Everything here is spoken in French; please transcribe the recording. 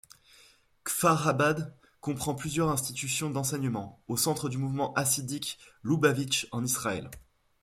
Kfar-Habad comprend plusieurs institutions d'enseignement, au centre du mouvement hassidique Loubavitch en Israël.